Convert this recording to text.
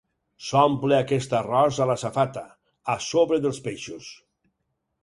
S'omple aquest arròs a la safata, a sobre dels peixos.